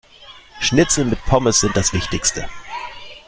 Schnitzel mit Pommes sind das Wichtigste.